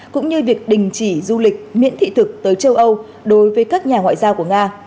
cũng như việc đình chỉ du lịch miễn thị thực tới châu âu đối với các nhà ngoại giao của nga